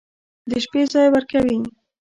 د شپې ځاى وركوي.